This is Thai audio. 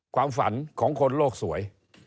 ความฝันของคนโลกสวย